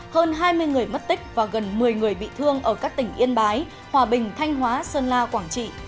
hơn hai mươi người mất tích và gần một mươi người bị thương ở các tỉnh yên bái hòa bình thanh hóa sơn la quảng trị